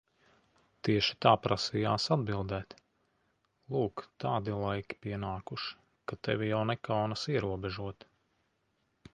Tieši tā prasījās atbildēt. Lūk tādi laiki pienākuši, ka tevi jau nekaunas ierobežot.